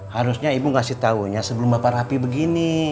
harusnya ibu ngasih tahunya sebelum bapak rapi begini